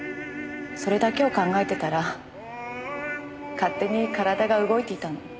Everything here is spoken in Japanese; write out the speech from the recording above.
それだけを考えてたら勝手に体が動いていたの。